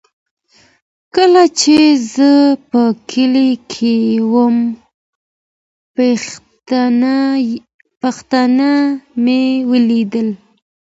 کله چي زه په کلي کي وم، پښتانه مي ولیدل.